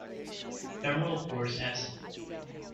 Femoral pores absent.